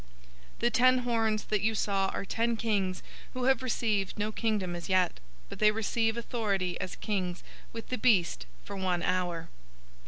017:012 The ten horns that you saw are ten kings who have received no kingdom as yet, but they receive authority as kings, with the beast, for one hour.